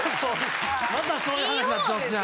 またそういう話なってますやん。